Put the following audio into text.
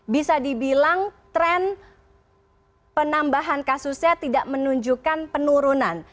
bisa dibilang tren penambahan kasusnya tidak menunjukkan penurunan